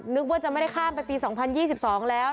นึกว่าจะไม่ได้ข้ามไปปี๒๐๒๒แล้ว